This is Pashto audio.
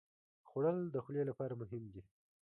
خوړل د خولې لپاره مهم دي